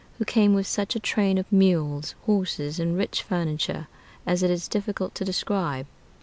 who came with such a train of mules, horses, and rich furniture as it is difficult to describe.